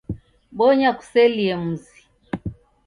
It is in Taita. Bonya kuselie mzi.